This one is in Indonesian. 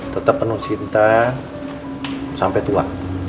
tetap penuh cinta sampai tua